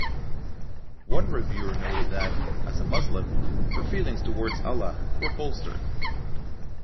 One reviewer noted that, as a Muslim, her feelings towards Allah were bolstered.